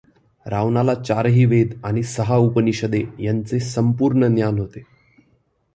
रावणाला चारही वेद आणि सहा उपनिषदे याचे संपूर्ण ज्ञान होते.